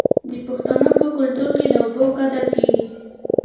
د پښتنو په کلتور کې د اوبو قدر کیږي.